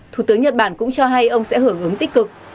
thủ tướng nhật bản cũng cho hay ông sẽ hưởng ứng tích cực